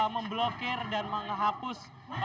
memblokir dan menghapus